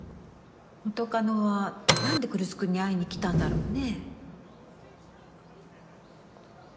元カノは何で来栖君に会いにきたんだろうね？